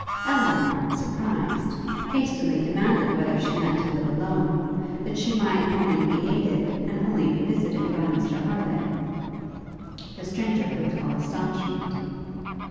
Elinor, surprised, hastily demanded whether she meant to live alone, that she might only be aided, and only be visited by Mr Harleigh. The stranger looked all astonishment.